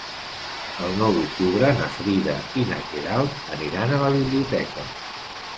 El nou d'octubre na Frida i na Queralt aniran a la biblioteca.